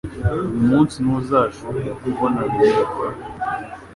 Uyu munsi ntuzashobora kubona Bizimana